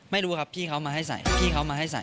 ไม่รู้ครับพี่เขามาให้ใส่พี่เขามาให้ใส่